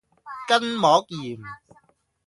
筋膜炎